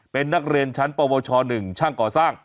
เป็นนักเรียนชั้นปวช๑ช่างก่อสร้าง